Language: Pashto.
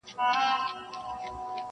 زما دقام خلګ چي جوړ سي رقيبان ساتي.